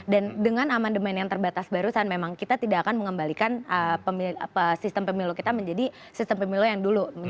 dan dengan amandemen yang terbatas barusan memang kita tidak akan mengembalikan sistem pemilu kita menjadi sistem pemilu yang dulu